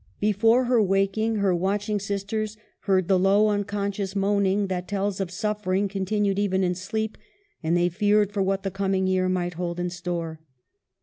Before her waking, her watching sisters heard the low, unconscious moaning that tells of suffering con tinued even in sleep ; and they feared for what the coming year might hold in store.